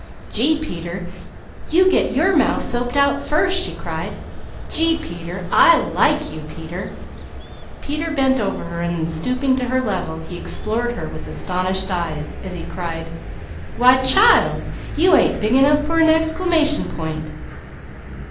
"Gee, Peter! You get your mouth soaped out first!" she cried. "Gee, Peter! I like you, Peter!" Peter bent over her and then stooping to her level he explored her with astonished eyes, as he cried: "Why child, you ain't big enough for an exclamation point!"